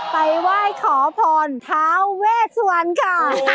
ไปไหว้ขอพรทาเวสวรรณค่ะ